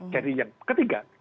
jadi yang ketiga